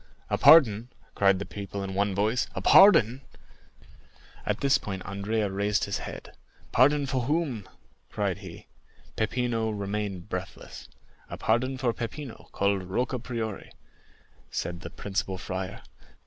"A pardon!" cried the people with one voice; "a pardon!" At this cry Andrea raised his head. "Pardon for whom?" cried he. Peppino remained breathless. "A pardon for Peppino, called Rocca Priori," said the principal friar.